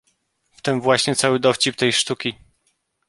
"W tem właśnie cały dowcip tej sztuki."